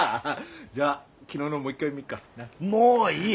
じゃあ昨日のもう一回見っか。もういい。